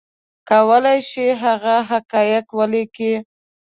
کولی شي هغه حقایق ولیکي